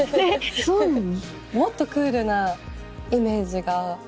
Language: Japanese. もっとクールなイメージが。